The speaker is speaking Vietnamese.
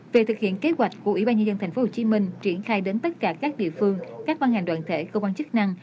về thực hiện kế hoạch của ủy ban nhân dân tp hcm triển khai đến tất cả các địa phương các văn ngành đoàn thể cơ quan chức năng